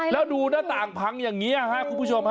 แล้วดูหน้าต่างผังยังเงี้ยครับคุณผู้ชม